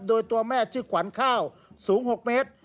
โดยตัวแม่ชื่อขวัญข้าวสูง๖เมตร